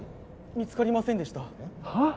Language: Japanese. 見つかりませんでしたはあ？